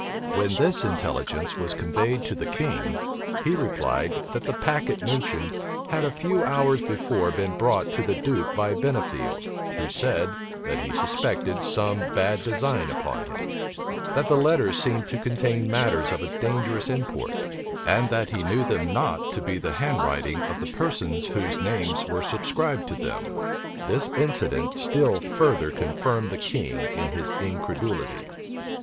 When this intelligence was conveyed to the king, he replied, that the packet mentioned had a few hours before been brought to the duke by Bennifield, who said, that he suspected some bad design upon him; that the letters seemed to contain matters of a dangerous import, and that he knew them not to be the handwriting of the persons whose names were subscribed to them. This incident still further confirmed the king in his incredulity.